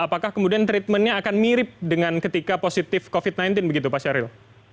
apakah kemudian treatmentnya akan mirip dengan ketika positif covid sembilan belas begitu pak syahril